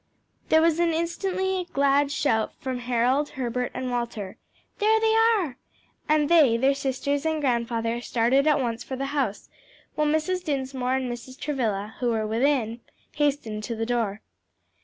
There was instantly a glad shout from Harold, Herbert and Walter, "There they are!" and they, their sisters and grandfather started at once for the house, while Mrs. Dinsmore and Mrs. Travilla, who were within, hastened to the door.